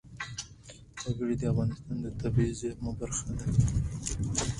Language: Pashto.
وګړي د افغانستان د طبیعي زیرمو برخه ده.